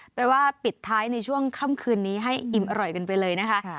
เป็นว่าปิดท้ายในช่วงค่ำคืนนี้ให้อิ่มอร่อยกันไปเลยนะคะ